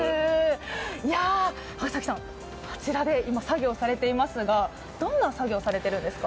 こちらで作業されてますがどんな作業されてるんですか？